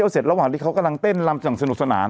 เสร็จระหว่างที่เขากำลังเต้นลำอย่างสนุกสนาน